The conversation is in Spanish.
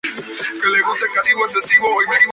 Si se los molesta vuelan hacia un arbusto o árbol bajo.